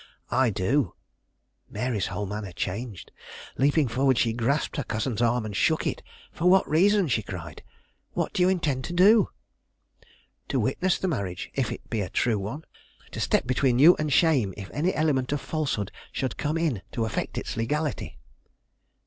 "I do." Mary's whole manner changed. Leaping forward, she grasped her cousin's arm and shook it. "For what reason?" she cried. "What do you intend to do?" "To witness the marriage, if it be a true one; to step between you and shame if any element of falsehood should come in to affect its legality."